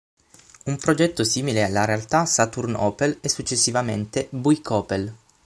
Un progetto simile alla realtà Saturn-Opel e successivamente Buick-Opel.